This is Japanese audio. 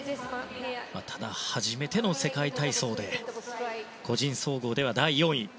ただ、初めての世界体操で個人総合では第４位。